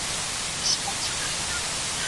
ما پرون ونې ته اوبه ورکړې.